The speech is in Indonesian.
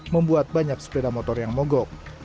membuat banyak sepeda motor yang mogok